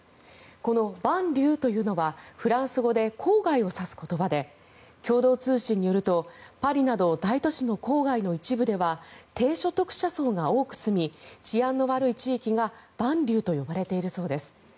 このバンリューというのはフランス語で郊外を指す言葉で共同通信によるとパリなど大都市の郊外の一部では低所得者層が多く住み治安の悪い地域がバンリューと呼ばれているそうです。